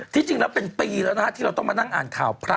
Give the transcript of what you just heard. จริงแล้วเป็นปีแล้วนะฮะที่เราต้องมานั่งอ่านข่าวพระ